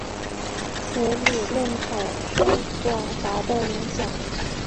此理论产生广泛的影响。